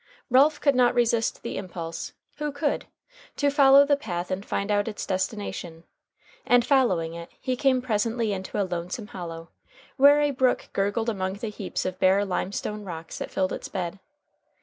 Ralph could not resist the impulse who could? to follow the path and find out its destination, and following it he came presently into a lonesome hollow, where a brook gurgled among the heaps of bare limestone rocks that filled its bed.